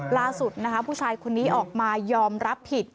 ล่าสุดนะคะผู้ชายคนนี้ออกมายอมรับผิด